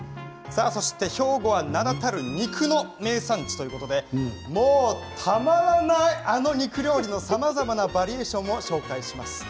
そして兵庫は名だたる肉の名産地ということでもうたまらない、あの肉料理のさまざまなバリエーションを紹介します。